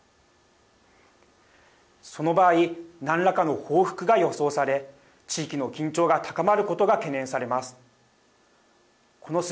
その場合何らかの報復が予想され地域の緊張が高まることが懸念されます。